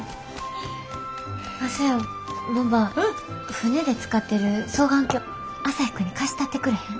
船で使ってる双眼鏡朝陽君に貸したってくれへん？